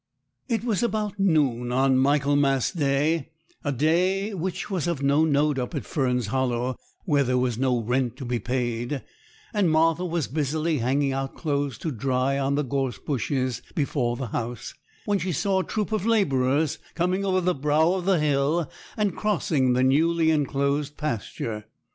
It was about noon on Michaelmas Day, a day which was of no note up at Fern's Hollow, where there was no rent to be paid, and Martha was busily hanging out clothes to dry on the gorse bushes before the house, when she saw a troop of labourers coming over the brow of the hill and crossing the newly enclosed pasture.